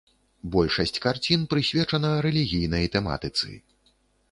Большасць карцін прысвечана рэлігійнай тэматыцы.